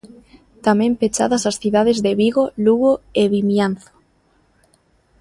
Tamén pechadas as cidades de Vigo, Lugo e Vimianzo.